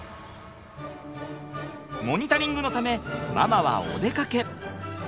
モニタリングのためママはお出かけ。